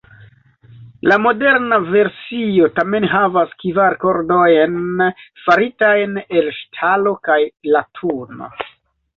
La moderna versio tamen havas kvar kordojn faritajn el ŝtalo kaj latuno.